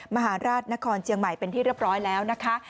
มหาราชนครเชียงใหม่เป็นที่เรียบร้อยแล้วนะคะ